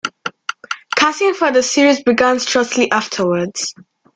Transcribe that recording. Casting for the series began shortly afterwards.